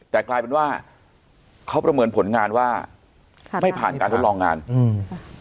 แต่กลายเป็นว่าเขาประเมินผลงานว่าค่ะไม่ผ่านการทดลองงานอืม